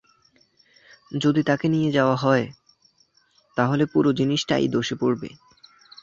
যদি তাদের নিয়ে যাওয়া হয়......তাহলে পুরো জিনিসটাই ধসে পড়বে।